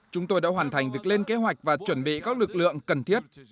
chúng tôi đã hoàn thành việc lên kế hoạch và chuẩn bị các lực lượng cần thiết